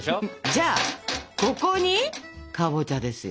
じゃあここにかぼちゃですよ。